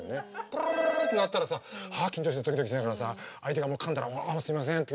プルルルルって鳴ったらさああ緊張するドキドキしながらさ相手がかんだらああすいませんって。